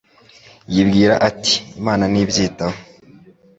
yibwira ati Imana ntibyitaho